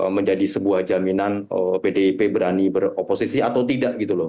menjadi sebuah jaminan pdip berani beroposisi atau tidak gitu loh